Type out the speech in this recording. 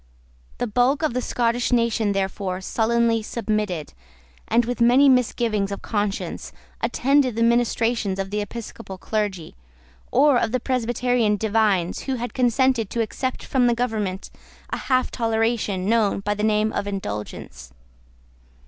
The bulk of the Scottish nation, therefore, sullenly submitted, and, with many misgivings of conscience, attended the ministrations of the Episcopal clergy, or of Presbyterian divines who had consented to accept from the government a half toleration, known by the name of the Indulgence.